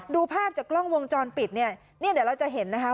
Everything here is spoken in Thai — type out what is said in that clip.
ดูภาพจากกล้องวงจรปิดนี่เดี๋ยวเราจะเห็นนะครับ